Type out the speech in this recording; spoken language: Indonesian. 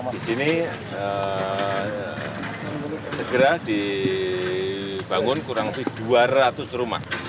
di sini segera dibangun kurang lebih dua ratus rumah